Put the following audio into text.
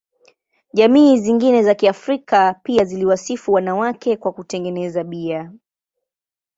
Jamii zingine za Kiafrika pia ziliwasifu wanawake kwa kutengeneza bia.